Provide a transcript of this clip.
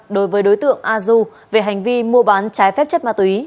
đối với đối tượng azu về hành vi mua bán trái phép chất ma túy